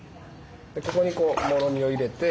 ここにこうもろみを入れて。